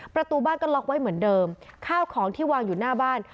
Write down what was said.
ประตูบ้านก็ล็อกไว้เหมือนเดิมข้าวของที่วางอยู่หน้าบ้าน